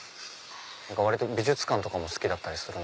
割と美術館も好きだったりする。